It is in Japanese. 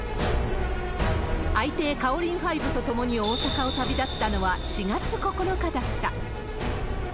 愛艇、カオリンファイブと共に大阪を旅立ったのは４月９日だった。